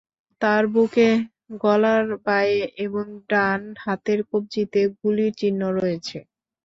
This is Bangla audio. তাঁর বুকে, গলার বাঁয়ে এবং ডান হাতের কবজিতে গুলির চিহ্ন রয়েছে।